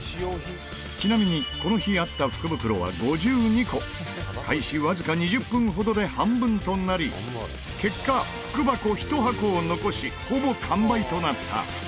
ちなみにこの日あった福袋は５２個開始わずか２０分ほどで半分となり結果、福箱１箱だけを残し即日完売